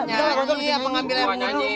nyanyi pengampilnya mau nyanyi